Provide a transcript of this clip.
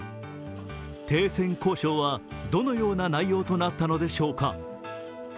停戦交渉はどのような内容となったのでしょうか。